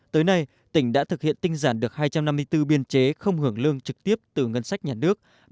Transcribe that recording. tới nay tỉnh đã thực hiện tinh giản được hai trăm năm mươi bốn biên chế không hưởng lương trực tiếp từ ngân sách nhà nước